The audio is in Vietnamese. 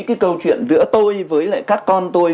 cái câu chuyện giữa tôi với lại các con tôi